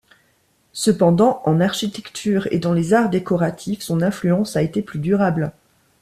Cependant, en architecture et dans les arts décoratifs, son influence a été plus durable.